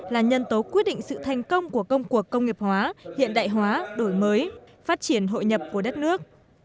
là nhân tố quyết định sự thành công của công cuộc công nghiệp hóa hiện đại hóa đổi mới phát triển hội nhập của đất nước